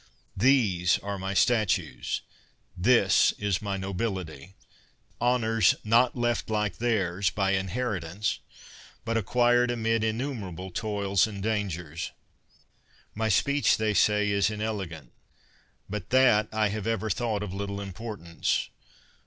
These are my statues; this is my nobil ity; honors, not left like theirs, by inheritance, but acquired amid innumerable toils and dan gers. My speech, they say, is inelegant; but that I have ever thought of little importance.